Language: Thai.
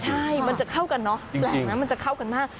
ใช่มันจะเข้ากันเนอะแปลกนะมันจะเข้ากันมาก